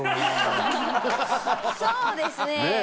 そうですねはい。